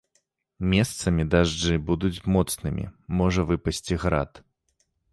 Месцамі дажджы будуць моцнымі, можа выпасці град.